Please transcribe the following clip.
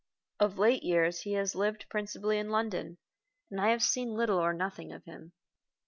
Of late years he has lived principally in London, and I have seen little or nothing of him.